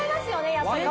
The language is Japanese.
やっぱりね。